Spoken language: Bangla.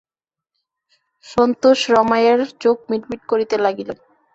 সন্তোষে রমাইয়ের চোখ মিটমিট করিতে লাগিল।